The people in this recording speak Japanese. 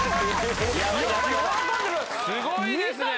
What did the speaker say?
すごいですね！